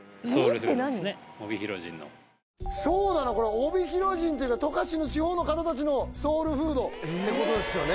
帯広人っていうか十勝の地方の方達のソウルフードってことですよね